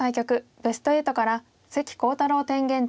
ベスト８から関航太郎天元対